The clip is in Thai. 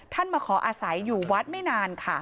ท่านมาขออาศัยอยู่วัดไม่นาน